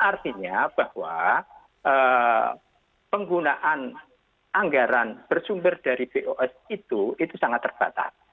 artinya bahwa penggunaan anggaran bersumber dari bos itu sangat terbatas